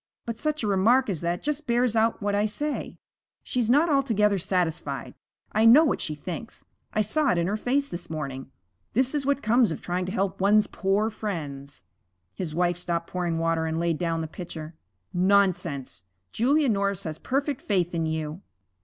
But such a remark as that just bears out what I say she's not altogether satisfied. I know what she thinks; I saw it in her face this morning this is what comes of trying to help one's poor friends.' His wife stopped pouring water and laid down the pitcher. 'Nonsense. Julia Norris has perfect faith in you.'